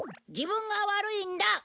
自分が悪いんだ。